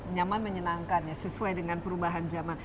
nyaman menyenangkan ya sesuai dengan perubahan zaman